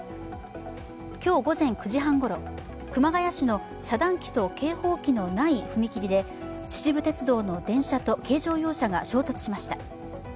今日午前９時半ごろ、熊谷市の遮断機と警報器のない踏切で秩父鉄道の電車と軽乗用車が衝突しました。